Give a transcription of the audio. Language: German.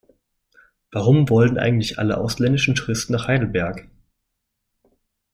Warum wollen eigentlich alle ausländischen Touristen nach Heidelberg?